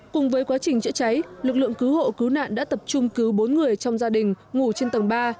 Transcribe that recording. cùng với quá trình chữa cháy lực lượng cứu hộ cứu nạn đã tập trung cứu bốn người trong gia đình ngủ trên tầng ba